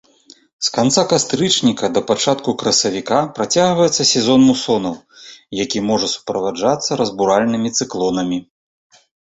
З канца кастрычніка да пачатку красавіка працягваецца сезон мусонаў, які можа суправаджацца разбуральнымі цыклонамі.